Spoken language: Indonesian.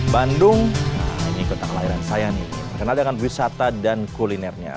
bandung nah ini kata kelahiran saya nih terkenal dengan wisata dan kulinernya